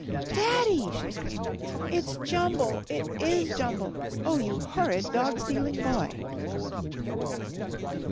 "Daddy!" she screamed. "It's Jumble! It is Jumble! Oh, you horrid dog stealing boy!"